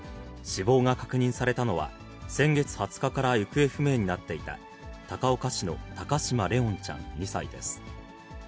死亡が確認されたのは、先月２０日から行方不明なっていた高岡市の高嶋怜音ちゃん２歳です。